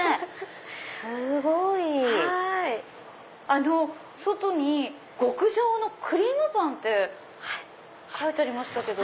すごい！外に極上のクリームパンって書いてありましたけど。